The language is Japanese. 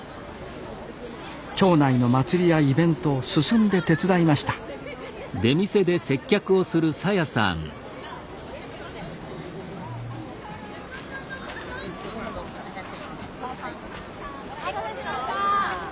町内の祭りやイベントを進んで手伝いましたお待たせしました。